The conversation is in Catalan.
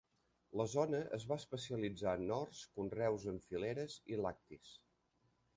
La zona es va especialitzar en horts, conreus en fileres i lactis.